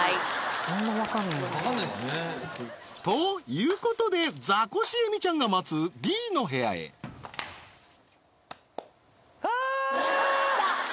そんなわかんないんだわかんないんですねということでザコシえみちゃんが待つＢの部屋へはあー！